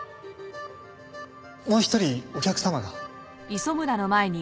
もう一人お客様が。